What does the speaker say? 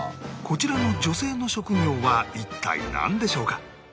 こちらの女性の職業は一体なんでしょうか？